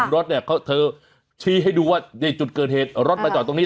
รถเนี่ยเธอชี้ให้ดูว่าในจุดเกิดเหตุรถมาจอดตรงนี้